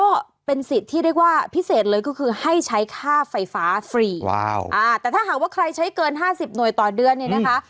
ก็เป็นศิษย์ที่ได้ว่าพิเศษเลยก็คือให้ใช้ค่าไฟฟ้าฟรีแต้าหากว่าใครใช้เกิน๕๐หน่วยต่อเดือนนะคะ